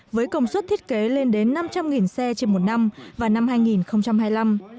với công suất thiết kế lên đến năm trăm linh xe trên một năm vào năm hai nghìn hai mươi năm